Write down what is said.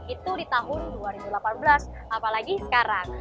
itu di tahun dua ribu delapan belas apalagi sekarang